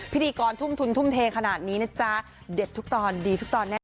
พิธีกรทุ่มทุนทุ่มเทขนาดนี้นะจ๊ะเด็ดทุกตอนดีทุกตอนแน่